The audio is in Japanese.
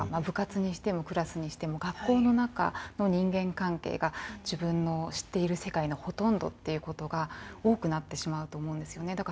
部活にしてもクラスにしても学校の中の人間関係が自分の知っている世界のほとんどっていうことが多くなってしまうと思うんですよね。